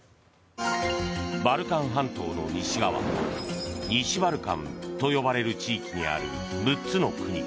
バルカン半島の西側西バルカンと呼ばれる地域にある６つの国。